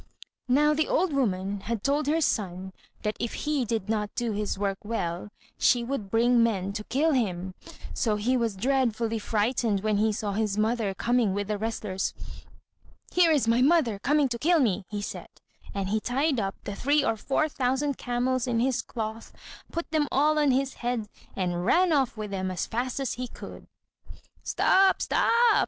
Now the old woman had told her son that if he did not do his work well, she would bring men to kill him; so he was dreadfully frightened when he saw his mother coming with the wrestlers. "Here is my mother coming to kill me," he said: and he tied up the three or four thousand camels in his cloth, put them all on his head, and ran off with them as fast as he could. "Stop, stop!"